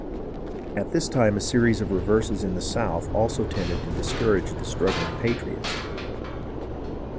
At this time a series of reverses in the south also tended to discourage the struggling patriots.